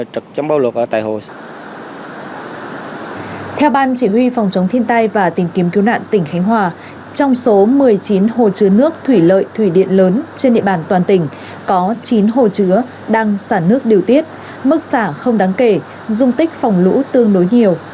trong số một mươi chín hồ chứa nước thủy lợi thủy điện lớn trên địa bàn toàn tỉnh có chín hồ chứa đang sản nước điều tiết mức sản không đáng kể dung tích phòng lũ tương đối nhiều